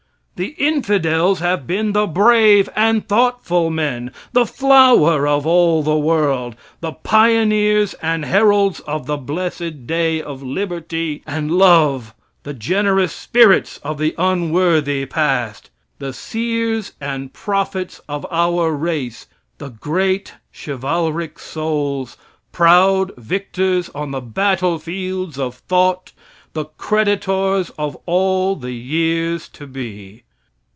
The infidels have been the brave and thoughtful men; the flower of all the world; the pioneers and heralds of the blessed day of liberty and love; the generous spirits of the unworthy past; the seers and prophets of our race; the great chivalric souls, proud victors on the battlefields of thought, the creditors of all the years to be.